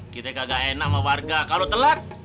kita kagak enak sama warga kalau telat